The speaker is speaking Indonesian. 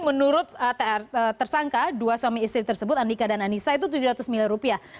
menurut tr tersangka dua suami istri tersebut andika dan anissa itu tujuh ratus miliar rupiah